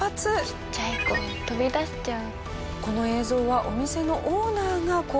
ちっちゃい子飛び出しちゃう。